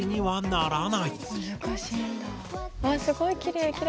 わっすごいきれい。